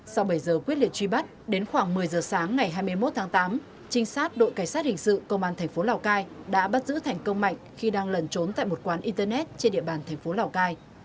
sau bảy giờ quyết liệt truy bắt đến khoảng một mươi giờ sáng ngày hai mươi một tháng tám trinh sát đội cảnh sát hình sự công an thành phố lào cai đã bắt giữ thành công mạnh khi đang lẩn trốn tại một quán internet trên địa bàn thành phố lào cai